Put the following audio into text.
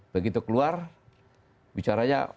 begitu keluar bicaranya